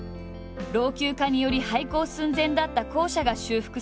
老朽化により廃校寸前だった校舎が修復された。